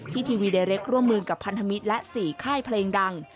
ทีวีเดเล็กร่วมมือกับพันธมิตรและ๔ค่ายเพลงดัง